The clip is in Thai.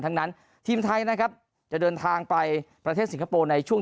ทั้งนั้นทีมไทยนะครับจะเดินทางไปประเทศสิงคโปร์ในช่วง